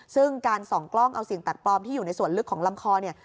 ซึ่งการส่องกล้องเอาสิ่งแปลกปลอมที่อยู่ในส่วนลึกของลำคอเนี่ย